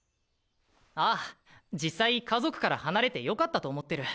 ああ実際家族から離れてよかったと思ってる。